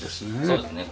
そうですね。